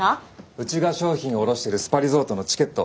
うちが商品卸してるスパリゾートのチケット。